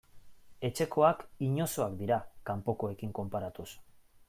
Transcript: Etxekoak inozoak dira kanpokoekin konparatuz.